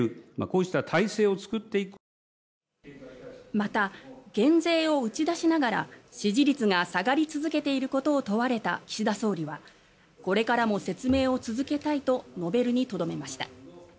また、減税を打ち出しながら支持率が下がり続けていることを問われた岸田総理はこれからも説明を続けたいと述べるにとどめました。